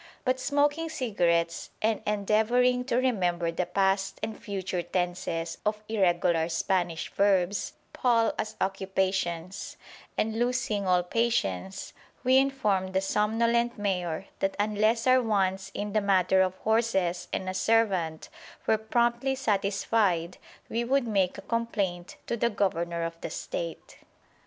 But smoking cigarettes and endeavouring to remember the past and future tenses of irregular Spanish verbs pall as occupations, and, losing all patience, we informed the somnolent Mayor that unless our wants in the matter of horses and a servant were promptly satisfied we would make a complaint to the Governor of the State.